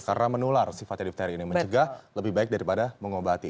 karena menular sifatnya difteri ini mencegah lebih baik daripada mengobati